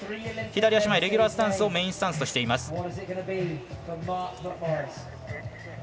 左足前レギュラースタンスをメインスタンスとしています。